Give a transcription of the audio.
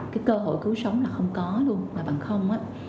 cái cơ hội cứu sống là không có luôn là bằng không á